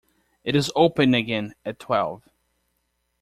It is open again at twelve.